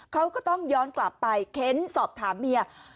เขาก็ต้องย้อนกลับไปเค้นสอบถามเมีย